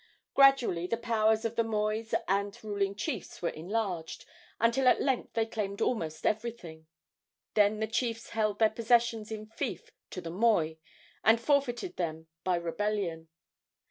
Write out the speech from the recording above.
Gradually the powers of the mois and ruling chiefs were enlarged, until at length they claimed almost everything. Then the chiefs held their possessions in fief to the moi, and forfeited them by rebellion.